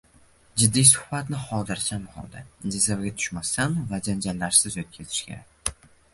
Jiddiy suhbatni xotirjam holda, jazavaga tushmasdan va janjallarsiz o‘tkazish kerak.